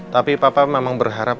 tapi papa memang berharap